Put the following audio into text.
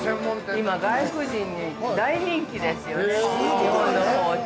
今外国人に大人気ですよ、日本の包丁。